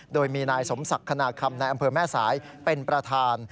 โดยมีนายสมศักดิ์คณาคำนายอำเภอแม่สายเป็นประธาน